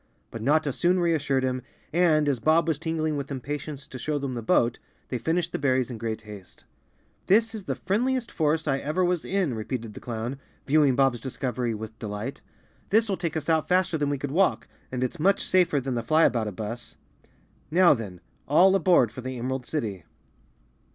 But Notta soon reassured him and, as Bob was tingling with impatience to show them the boat, they finished the berries in great haste. "This is the friendliest forest I ever was in," repeated the clown, viewing Bob's discovery with delight. "This will take us out faster than we could walk and it's much safer than the Elyaboutabus. Now then, all aboard for the Emerald City!"